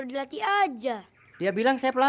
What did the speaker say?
tidak ada yang belum